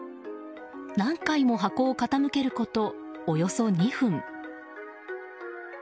何回も箱を傾けることおよそ２分。